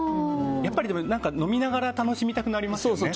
やっぱりでも、飲みながら楽しみたくなりますよね。